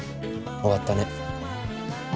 終わったね。